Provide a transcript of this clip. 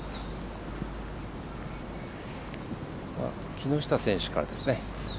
木下選手からですね。